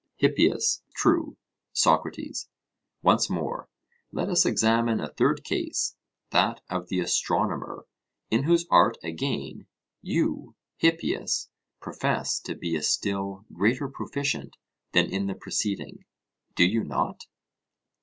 HIPPIAS: True. SOCRATES: Once more let us examine a third case; that of the astronomer, in whose art, again, you, Hippias, profess to be a still greater proficient than in the preceding do you not?